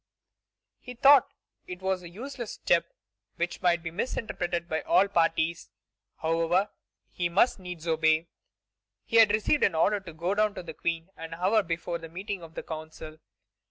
He thought it a useless step which might be misinterpreted by all parties. However, he must needs obey. He had received an order to go down to the Queen an hour before the meeting of the Council.